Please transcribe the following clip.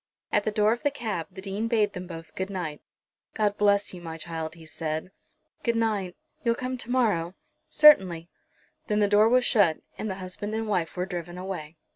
At the door of the cab the Dean bade them both good night. "God bless you, my child," he said. "Good night; you'll come to morrow?" "Certainly." Then the door was shut, and the husband and wife were driven away.